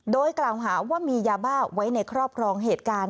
โดยกล่าวหาว่ามียาบ้าไว้ในครอบครองเหตุการณ์